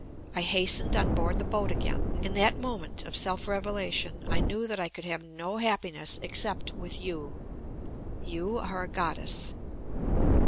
I hastened on board the boat again. In that moment of self revelation I knew that I could have no happiness except with you. You are a Goddess."